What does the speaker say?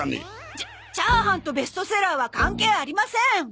チャチャーハンとベストセラーは関係ありません！